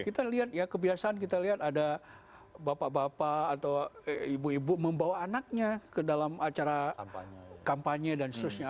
di pengawasan kita lihat ada bapak bapak atau ibu ibu membawa anaknya ke dalam acara kampanye dan seterusnya